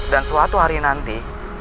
dan suatu hari nanti